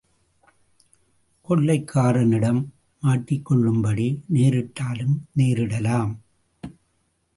கொள்ளைக்காரனிடம் மாட்டிக்கொள்ளும்படி நேரிட்டாலும் நேரிடலாம்.